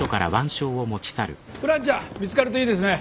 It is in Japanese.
フランちゃん見つかるといいですね。